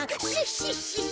シッシッシ。